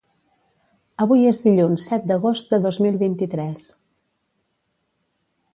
Avui és dilluns set d'agost de dos mil vint-i-tres